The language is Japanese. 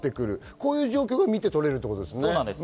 こういう状況が見て取れるということですね。